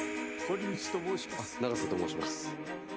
あっ永瀬と申します。